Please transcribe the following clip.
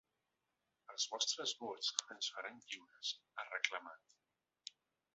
Els vostres vots ens faran lliures, ha reclamat.